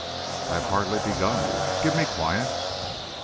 "I have hardly begun. Give me quiet."